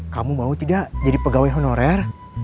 kamu mau tidak jadi pegawai honorer